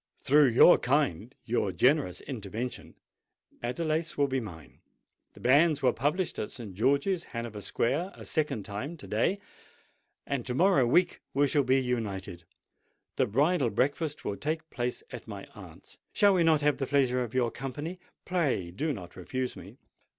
Through your kind—your generous intervention, Adelais will be mine. The banns were published at St. George's, Hanover Square, a second time to day; and to morrow week we shall be united. The bridal breakfast will take place at my aunt's: shall we not have the pleasure of your company? Pray, do not refuse me."